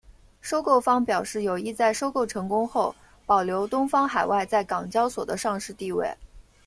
收购方表示有意在收购成功后保留东方海外在港交所的上市地位。